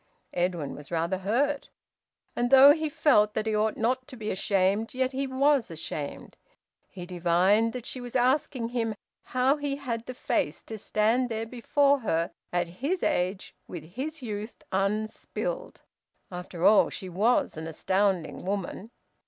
Edwin was rather hurt. And though he felt that he ought not to be ashamed, yet he was ashamed. He divined that she was asking him how he had the face to stand there before her, at his age, with his youth unspilled. After all, she was an astounding woman.